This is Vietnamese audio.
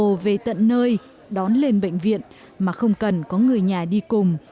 họ về tận nơi đón lên bệnh viện mà không cần có người nhà đi cùng